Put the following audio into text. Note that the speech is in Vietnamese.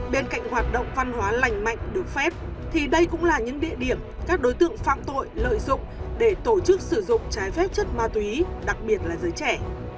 bên cạnh hoạt động văn hóa lành mạnh được phép thì đây cũng là những địa điểm các đối tượng phạm tội lợi dụng để tổ chức sử dụng trái phép chất ma túy đặc biệt là giới trẻ